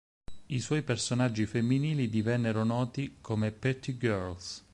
I suoi personaggi femminili divennero noti come "Petty Girls".